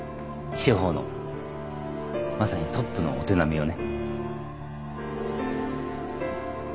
司法のまさにトップのお手並みをね。